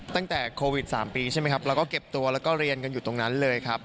ตั้งแต่โควิด๓ปีใช่ไหมครับเราก็เก็บตัวแล้วก็เรียนกันอยู่ตรงนั้นเลยครับ